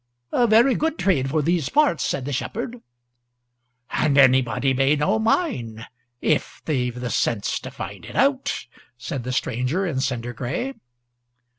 "A very good trade for these parts," said the shepherd. "And anybody may know mine if they've the sense to find it out," said the stranger in cinder gray.